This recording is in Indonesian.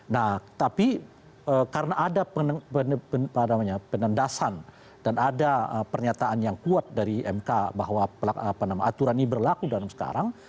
nah tapi karena ada penendasan dan ada pernyataan yang kuat dari mk bahwa aturan ini berlaku dalam sekarang